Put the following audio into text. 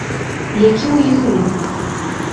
Які ў іх рытм?